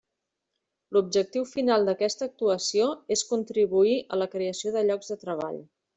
L'objectiu final d'aquesta actuació és contribuir a la creació de llocs de treball.